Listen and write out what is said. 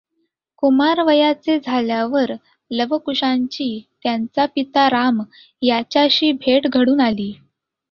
कुमारवयाचे झाल्यावर लव कुशांची त्यांचा पिता राम याच्याशी भेट घडून आली.